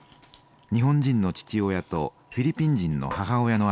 日本人の父親とフィリピン人の母親の間に生まれました。